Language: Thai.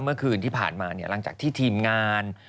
เมื่อคืนที่ผ่านมาหลังจากที่ทีมงาน